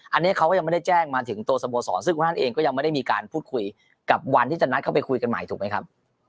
อันนี้เขาก็ยังไม่ได้แจ้งมาถึงตัวสโมสรซึ่งคุณท่านเองก็ยังไม่ได้มีการพูดคุยกับวันที่จะนัดเข้าไปคุยกันใหม่ถูกไหมครับ